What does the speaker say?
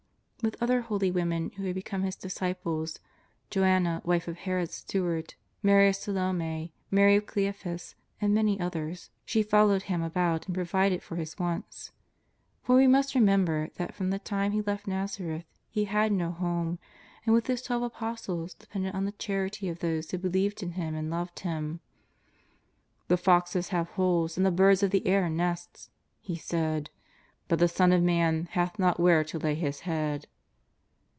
With other holy women who had become His disciples, Joanna, wife of Herod's steward, Mary of Salome, Mary of Cleophas, and many others, she followed Llim about and provided for His wants. For we must remember that from the time He left Nazareth He had no home, and with His twelve Apostles depended on the charity of those who believed in Him and loved Him. " The foxes have holes and the birds of the air nests," He said, " but the Son ot Man hath not where to lay His head."